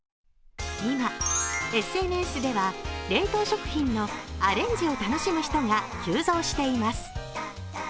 今、ＳＮＳでは冷凍食品のアレンジを楽しむ人が急増しています。